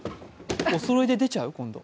今度おそろいで出ちゃう？